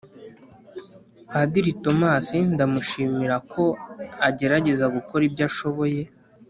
Padiri Thomas ndamushimira ko agerageza gukora ibyo ashoboye.